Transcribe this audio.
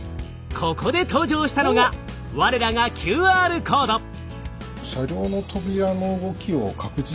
ここで登場したのが我らがＱＲコード！